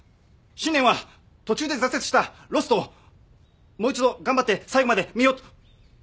新年は途中で挫折した『ＬＯＳＴ』をもう一度頑張って最後まで見ようと。